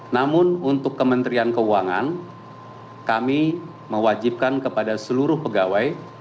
namun untuk kementerian keuangan kami mewajibkan kepada seluruh pegawai